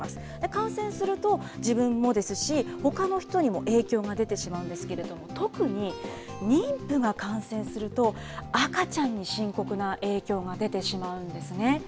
感染すると、自分もですし、ほかの人にも影響が出てしまうんですけれども、特に妊婦が感染すると、赤ちゃんに深刻な影響が出てしまうんですね。